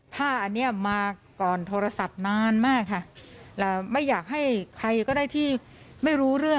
และ์กสคะบาดแหละเกิดขึ้นบนเรือ